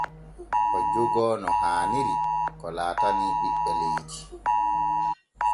O jogoo no haaniri ko laatanii ɓiɓɓe leydi.